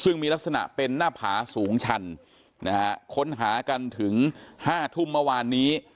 ซึ่งมีลักษณะเป็นหน้าผาสูงชันนะฮะค้นหากันถึง๕ทุ่มเมื่อวานนี้